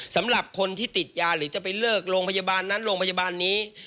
สำหรับคนที่ติดยาหรือจะไปเลิกโรงพยาบาลนั้นโรงพยาบาลนี้